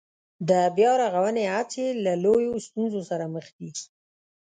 د بيا رغونې هڅې له لویو ستونزو سره مخ دي